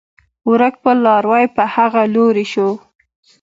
ورک به لاروی په هغه لوري شو